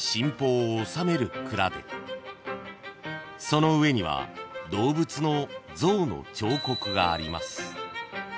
［その上には動物の象の彫刻があります］